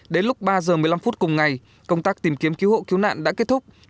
đến lúc ba giờ một mươi năm phút cùng ngày công tác tìm kiếm cứu hộ cứu nạn đã kết thúc